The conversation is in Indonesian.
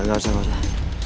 enggak usah enggak usah